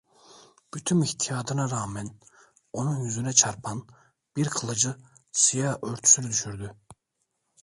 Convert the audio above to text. Bütün ihtiyatına rağmen onun yüzüne çarpan bir kılıcı siyah örtüsünü düşürdü.